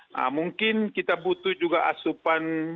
nah mungkin kita butuh juga asupan